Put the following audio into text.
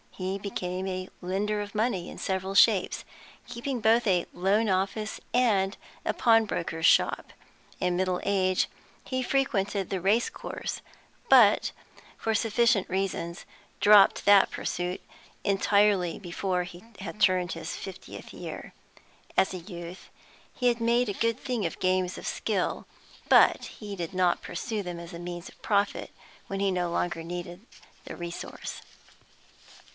He became a lender of money in several shapes, keeping both a loan office and a pawnbroker's shop. In middle age he frequented the race course, but, for sufficient reasons, dropped that pursuit entirely before he had turned his fiftieth year. As a youth he had made a good thing of games of skill, but did not pursue them as a means of profit when he no longer needed the resource.